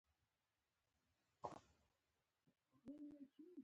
اروپایان د کولمبس اشتباه معافوي.